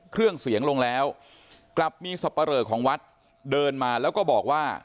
เครื่องเสียงลงแล้วกลับมีสับปะเรอของวัดเดินมาแล้วก็บอกว่า